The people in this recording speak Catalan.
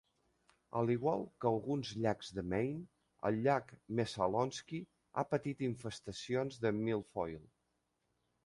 A l'igual que alguns llacs de Maine, el llac Messalonskee ha patit infestacions de Milfoil.